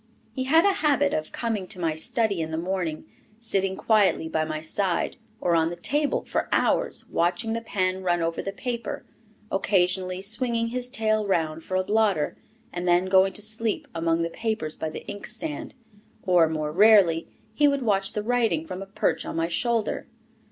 He had a habit of coming to my study in the morning, sitting quietly by my side or on the table for hours, watching the pen run over the paper, occasionally swinging his tail round for a blotter, and then going to sleep among the papers by the inkstand. Or, more rarely, he would watch the writing from a perch on my shoulder.